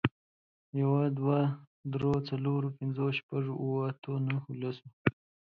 يوه، دوو، درو، څلورو، پنځو، شپږو، اوو، اتو، نهو، لسو